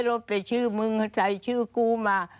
เราไปชื่อมึงใส่ชื่อกูมา